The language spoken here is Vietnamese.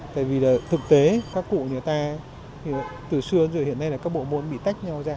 tại vì thực tế các cụ người ta từ xưa đến giờ hiện nay là các bộ môn bị tách nhau ra